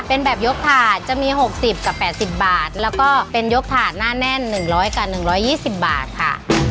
เป็นแบบยกถาดจะมี๖๐กับ๘๐บาทแล้วก็เป็นยกถาดหน้าแน่น๑๐๐กับ๑๒๐บาทค่ะ